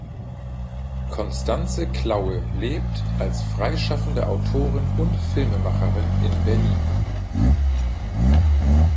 Constanze Klaue lebt als freischaffende Autorin und Filmemacherin in Berlin.